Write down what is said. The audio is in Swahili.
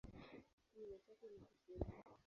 Kinyume chake ni kusini.